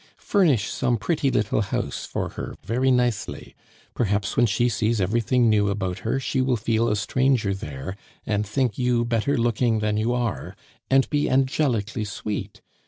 "Furnish some pretty little house for her, very nicely. Perhaps when she sees everything new about her she will feel a stranger there, and think you better looking than you are, and be angelically sweet.